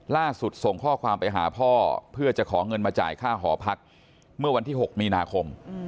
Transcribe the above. ส่งข้อความไปหาพ่อเพื่อจะขอเงินมาจ่ายค่าหอพักเมื่อวันที่๖มีนาคม